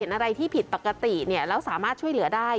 อะไรที่ผิดปกติแล้วสามารถช่วยเหลือได้